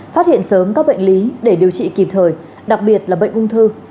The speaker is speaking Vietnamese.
phát hiện sớm các bệnh lý để điều trị kịp thời đặc biệt là bệnh ung thư